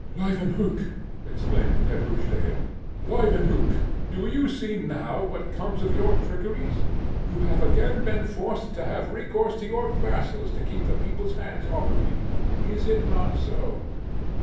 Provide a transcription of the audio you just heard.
"Leuwenhock!" exclaimed Pepusch to him "Leuwenhock, do you see now what comes of your trickeries? You have again been forced to have recourse to your vassals to keep the people's hands off you Is it not so?"